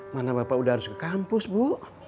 mana bapak udah harus ke kampus bu